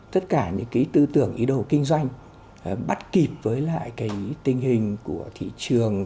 tất cả những cái tư tưởng ý đồ kinh doanh bắt kịp với lại cái tình hình của thị trường